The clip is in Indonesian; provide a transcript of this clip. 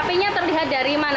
apinya terlihat dari mana bawah